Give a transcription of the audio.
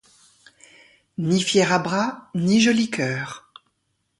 Ni fier-à-bras, ni joli coeur.